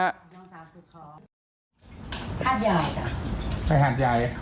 หัดใหญ่จ้ะไปอยู่กับหน้าเขา